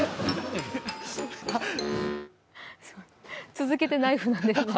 続けてナイフなんですね